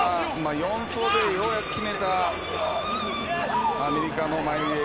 ４走でようやく決めたアメリカのマイルリレー